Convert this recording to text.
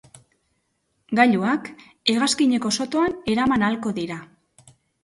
Gailuak hegazkineko sotoan eraman ahalko dira.